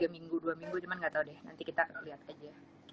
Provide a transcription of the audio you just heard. tiga minggu dua minggu cuman gak tau deh nanti kita lihat aja